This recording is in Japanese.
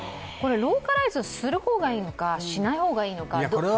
ローカライズする方がいいのかしない方がいいのか、どうですか？